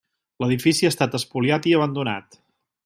L'edifici ha estat espoliat i abandonat.